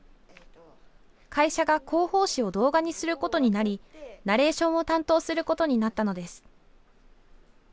会社が広報誌を動画にすることになりナレーションを担当することになったのです。